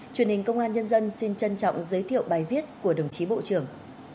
truyền hình công an nhân dân xin trân trọng giới thiệu bài viết của đồng chí bộ trưởng